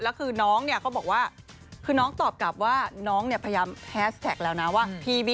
แล้วคือน้องเนี่ยเขาบอกว่าคือน้องตอบกลับว่าน้องเนี่ยพยายามแฮสแท็กแล้วนะว่า